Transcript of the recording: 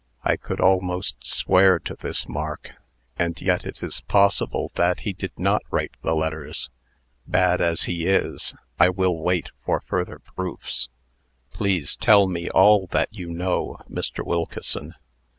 "I could almost swear to this mark; and yet it is possible that he did not write the letters. Bad as he is, I will wait for further proofs. Please tell me all else that you know, Mr. Wilkeson."